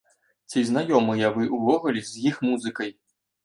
Ці знаёмыя вы ўвогуле з іх музыкай?